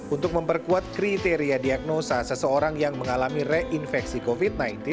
untuk memperkuat kriteria diagnosa seseorang yang mengalami reinfeksi covid sembilan belas